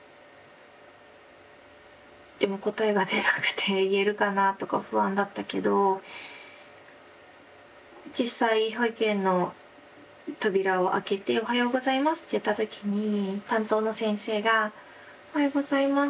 でも答えが出なくて言えるかなとか不安だったけど実際保育園の扉を開けて「おはようございます」って言った時に担当の先生が「おはようございます。